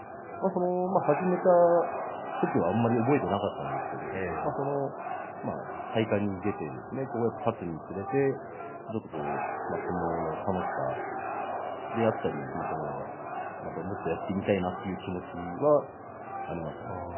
始めたときは、あまり覚えていなかったんですけど大会に出て、勝つにつれて相撲の楽しさであったりもっとやってみたいなという気持ちはありました。